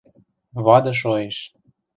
Вады шоэш.